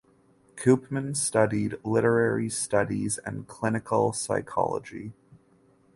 Koopman studied Literary Studies and clinical psychology.